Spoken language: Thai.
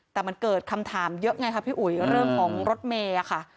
แต่มันเกิดคำถามเยอะไงค่ะพี่อุ๋ยเรื่องของรถเมย์ค่ะ